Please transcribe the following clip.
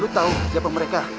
lo tau siapa mereka